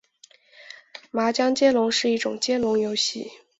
麻将接龙是一种接龙游戏。